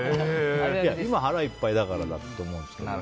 今、腹いっぱいだからだと思うんですけど。